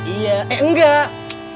iya eh enggak